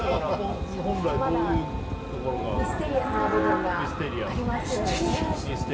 まだミステリアスな部分がありますよね。